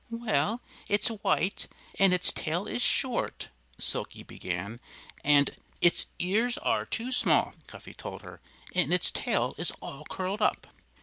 "Well it's white, and its tail is short " Silkie began, "and " "Its ears are too small," Cuffy told her, "and its tail is all curled up."